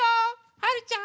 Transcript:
はるちゃん。